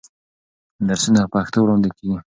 درسونه په پښتو وړاندې کېږي.